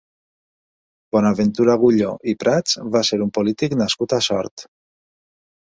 Bonaventura Agulló i Prats va ser un polític nascut a Sort.